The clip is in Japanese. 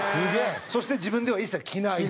そして自分では一切着ない。